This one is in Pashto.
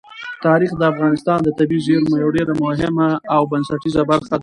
تاریخ د افغانستان د طبیعي زیرمو یوه ډېره مهمه او بنسټیزه برخه ده.